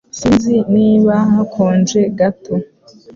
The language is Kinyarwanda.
Sinzi niba hakonje gato